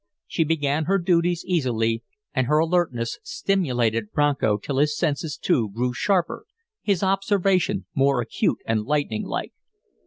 She began her duties easily, and her alertness stimulated Bronco till his senses, too, grew sharper, his observation more acute and lightning like.